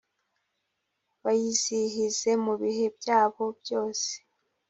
bayizihize mu bihe byabo byose